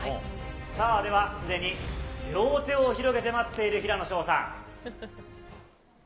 さあ、ではすでに両手を広げて待っている平野紫耀さん。